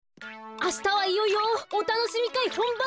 あしたはいよいよおたのしみかいほんばんです。